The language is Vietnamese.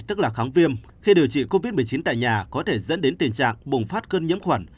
tức là kháng viêm khi điều trị covid một mươi chín tại nhà có thể dẫn đến tình trạng bùng phát cơn nhiễm khuẩn